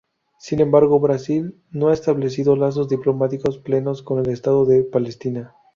Sin embargo, Brasil no ha establecido lazos diplomáticos plenos con el Estado de Palestina.